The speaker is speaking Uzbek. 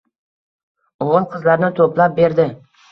O‘g‘il-qizlarni to‘plab berdi.